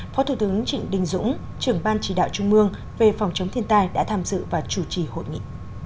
phó thủ tướng trịnh đình dũng trưởng ban chỉ đạo trung mương về phòng chống thiên tai đã tham dự và chủ trì hội nghị